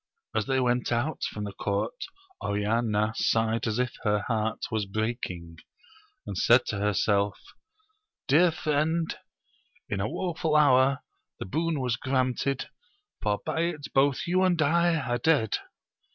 As they went out from the court, Oriana sighed as if her heart was breaking ; and said to herself, Dear friend, in a woe ful hour the boon was granted, for by it both you and I are dead